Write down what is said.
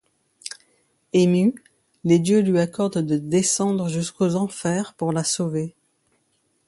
Émus, les dieux lui accordent de descendre jusqu'aux Enfers pour la sauver.